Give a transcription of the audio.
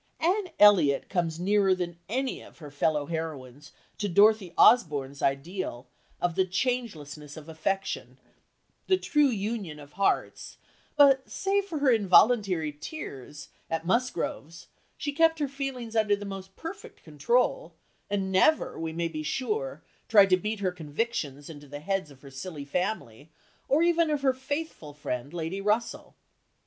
Anne Elliot comes nearer than any of her fellow heroines to Dorothy Osborne's ideal of the changelessness of affection, the true union of hearts, but, save for her involuntary tears at the Musgroves', she kept her feelings under the most perfect control, and never, we may be sure, tried to beat her convictions into the heads of her silly family, or even of her faithful friend Lady Russell.